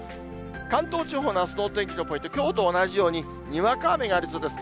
関東地方のあすのお天気のポイント、きょうと同じようににわか雨がありそうです。